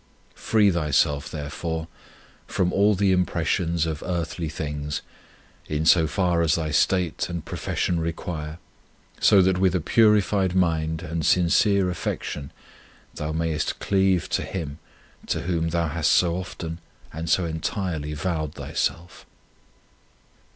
Free thyself, therefore, from all the impressions of earthly things, in so far as thy state and profes sion require, so that with a purified mind and sincere affection thou mayest cleave to Him to Whom thou hast so often and so entirely vowed thyself.